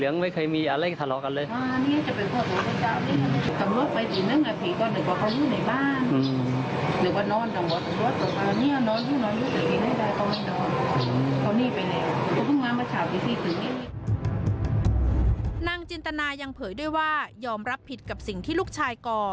นางจินตนายังเผยด้วยว่ายอมรับผิดกับสิ่งที่ลูกชายก่อ